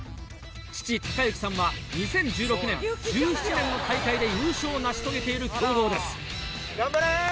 父貴幸さんは２０１６年２０１７年の大会で優勝を成し遂げている強豪です。